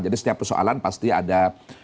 jadi setiap persoalan pasti ada